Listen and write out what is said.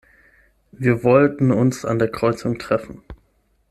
Wir wollten uns an der Kreuzung treffen.